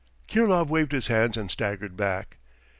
.." Kirilov waved his hands and staggered back.